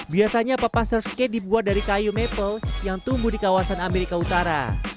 biasanya papa surfskate dibuat dari kayu maple yang tumbuh di kawasan amerika utara